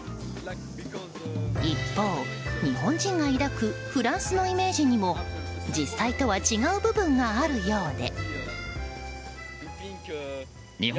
一方、日本人が抱くフランスのイメージにも実際とは違う部分があるようで。